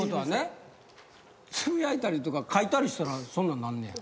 つぶやいたりとか書いたりしたらそんなんなんねや。